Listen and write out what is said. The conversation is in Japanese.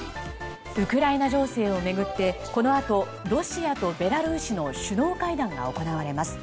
ウクライナ情勢を巡ってこのあと、ロシアとベラルーシの首脳会談が行われます。